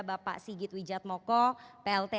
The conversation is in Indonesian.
bapak sigit wijadmoko plt